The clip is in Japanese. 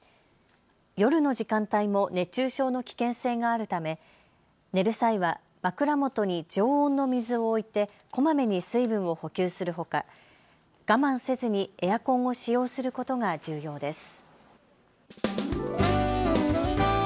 夜の時間帯も熱中症の危険性があるため寝る際は枕元に常温の水を置いてこまめに水分を補給するほか我慢せずにエアコンを使用することが重要です。